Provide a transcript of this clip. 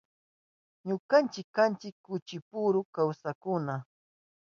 Ñukanchi kanchi kuchupuru kawsakkuna.